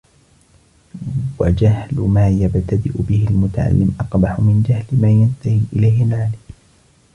وَجَهْلُ مَا يَبْتَدِئُ بِهِ الْمُتَعَلِّمُ أَقْبَحُ مِنْ جَهْلِ مَا يَنْتَهِي إلَيْهِ الْعَالِمُ